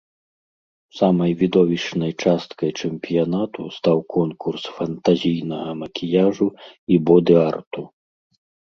Самай відовішчнай часткай чэмпіянату стаў конкурс фантазійнага макіяжу і боды-арту.